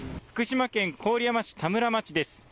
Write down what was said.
福島県郡山市田村町です。